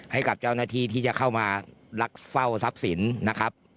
ให้กับเจ้าหน้าที่ที่จะเข้ามาลักเฝ้าทรัพย์สินนะครับ